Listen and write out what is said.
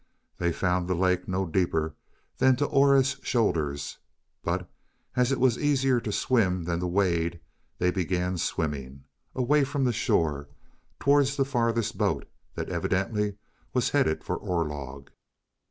They found the lake no deeper than to Aura's shoulders, but as it was easier to swim than to wade, they began swimming away from shore towards the farthest boat that evidently was headed for Orlog.